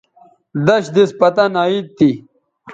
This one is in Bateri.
دش دِس پتن عید تھی